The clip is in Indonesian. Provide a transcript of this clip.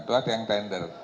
itu ada yang tender